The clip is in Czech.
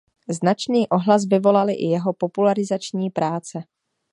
Značný ohlas vyvolaly i jeho popularizační práce.